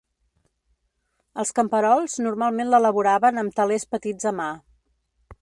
Els camperols normalment l'elaboraven amb telers petits a mà.